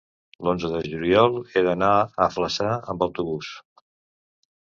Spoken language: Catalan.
l'onze de juliol he d'anar a Flaçà amb autobús.